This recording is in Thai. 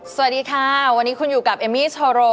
สวัสดีค่ะวันนี้คุณอยู่กับเอมมี่โชโร